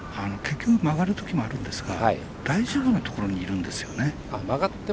曲がるときもあるんですが大丈夫なところにいるんですよね。